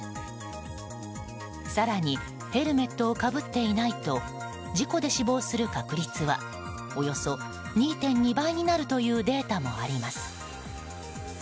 更にヘルメットをかぶっていないと事故で死亡する確率はおよそ２．２倍になるというデータもあります。